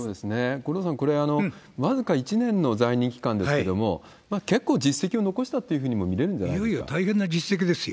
五郎さん、これ、僅か１年の在任期間ですけれども、結構実績を残したというふうにも見れるんじゃないですか。